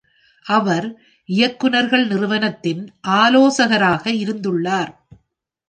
அவர் இயக்குநர்கள் நிறுவனத்தின் ஆலோசகராக இருந்துள்ளார்.